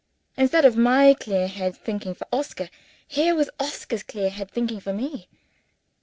Instead of my clear head thinking for Oscar, here was Oscar's clear head thinking for Me.